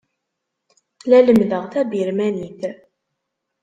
La lemmdeɣ tabirmanit.